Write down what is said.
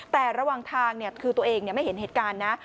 แต่ระหว่างทางคือตัวเองไม่เห็นเหตุการณ์นะ